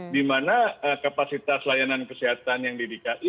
dimana kapasitas layanan kesehatan yang didikati